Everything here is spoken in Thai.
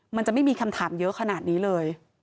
มันจะไม่มีคำถามเยอะขนาดนี้เลย